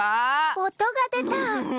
おとがでた。